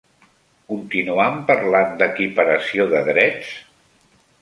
Continuam parlant d'equiparació de drets?